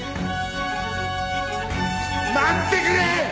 待ってくれ！！